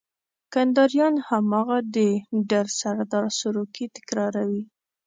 کنداريان هماغه د ډر سردار سروکی تکراروي.